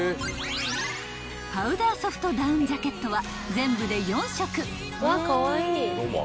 ［パウダーソフトダウンジャケットは］